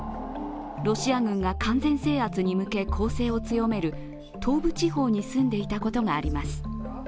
ロシア軍が完全制圧に向け攻勢を強める東部地方に住んでいたことがあります。